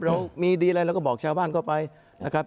เรามีดีอะไรเราก็บอกชาวบ้านเข้าไปนะครับ